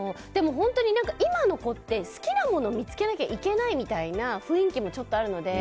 本当に今の子って好きなものを見つけなきゃいけないみたいな雰囲気もちょっとあるので。